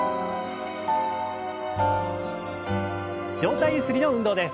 上体ゆすりの運動です。